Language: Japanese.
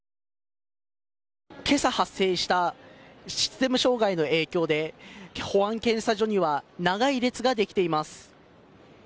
けさ発生したシステム障害の影響で、保安検査所には長い列が出来ています。